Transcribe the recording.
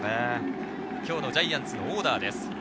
今日のジャイアンツのオーダーです。